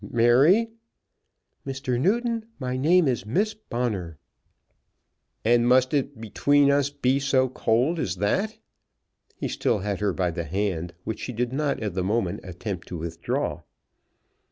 "Mary " "Mr. Newton, my name is Miss Bonner." "And must it between us be so cold as that?" He still had her by the hand, which she did not at the moment attempt to withdraw.